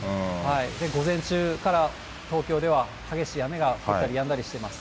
午前中から東京では激しい雨が降ったりやんだりしてます。